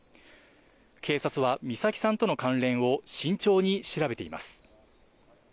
警察は美咲さんとの関連を慎重に調べています。